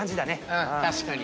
うん確かに。